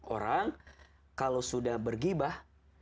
orang kalau sudah bergibah